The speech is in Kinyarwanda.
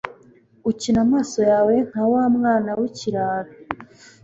ukina amaso yawe nka wa mwana w'ikirara